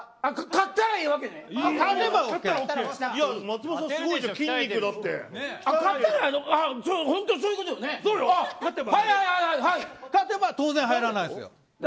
勝てば当然入らないですよ。